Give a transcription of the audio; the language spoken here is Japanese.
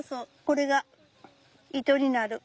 これが糸になる。